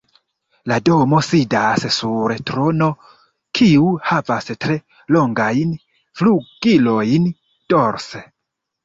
La damo sidas sur trono kiu havas tre longajn flugilojn dorse.